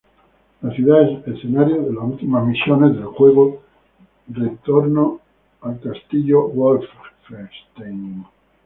La ciudad es escenario de las últimas misiones del Juego Return to Castle Wolfenstein.